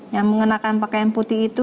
yang mengenakan pakaian putih itu